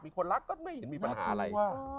ไม่น่ากลัวเพราะคนอื่นก็เป็นกันแล้ว